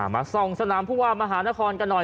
มาส่องสนามผู้ว่ามหานครกันหน่อย